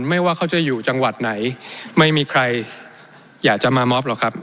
ว่าเขาจะอยู่จังหวัดไหนไม่มีใครอยากจะมามอบหรอกครับ